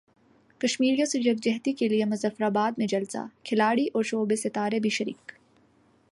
کشمیریوں سے یکجہتی کیلئے مظفر اباد میں جلسہ کھلاڑی اور شوبز ستارے بھی شریک